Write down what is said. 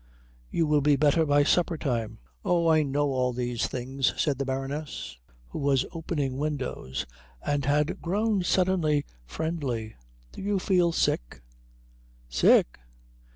"You will be better by supper time. Oh, I know all these things," said the Baroness, who was opening windows and had grown suddenly friendly. "Do you feel sick?" "Sick?"